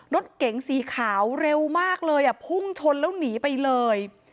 รถเก๋งสีขาวเร็วมากเลยอ่ะพุ่งชนแล้วหนีไปเลย